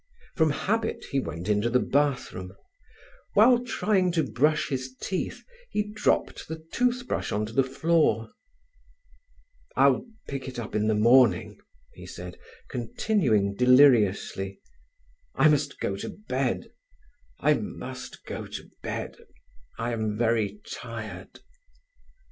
From habit he went into the bathroom. While trying to brush his teeth he dropped the tooth brush on to the floor. "I'll pick it up in the morning," he said, continuing deliriously: "I must go to bed—I must go to bed—I am very tired."